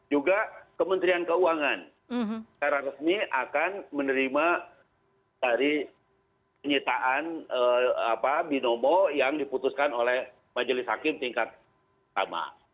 juga kementerian keuangan secara resmi akan menerima dari penyitaan binomo yang diputuskan oleh majelis hakim tingkat pertama